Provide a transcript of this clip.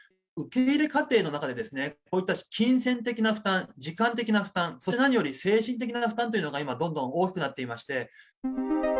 受け入れ家庭の中で、こういった金銭的な負担、時間的な負担、そして何より、精神的な負担というのが今、どんどん大きくなっていまして。